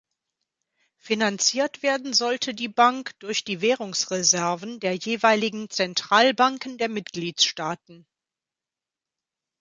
Finanziert werden sollte die Bank durch die Währungsreserven der jeweiligen Zentralbanken der Mitgliedsstaaten.